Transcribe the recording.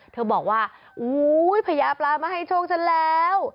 เธอบอกว่าอุ้ยพญาปลามาให้โชคฉันแล้ว